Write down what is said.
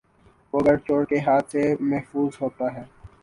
وہ گھر چورکے ہاتھ سے ممحفوظ ہوتا ہے